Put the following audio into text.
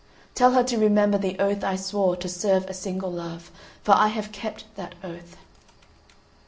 Tell her to remember the oath I swore to serve a single love, for I have kept that oath."